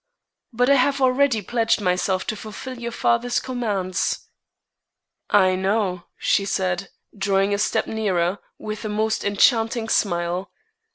"But I have already pledged myself to fulfil your father's commands." "I know," she said, drawing a step nearer, with a most enchanting smile.